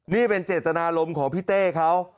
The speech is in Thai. นี่เป็นเจตนารมณ์ของพี่เต้เขา